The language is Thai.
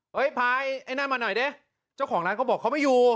พายไอ้นั่นมาหน่อยดิเจ้าของร้านเขาบอกเขาไม่อยู่